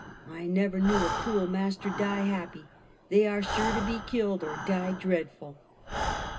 I never knew a cruel master die happy. They are sure to be killed, or die dread ful!"